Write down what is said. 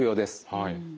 はい。